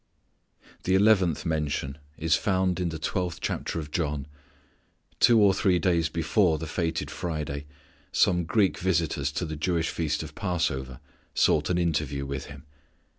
The eleventh mention is found in the twelfth chapter of John. Two or three days before the fated Friday some Greek visitors to the Jewish feast of Passover sought an interview with Him.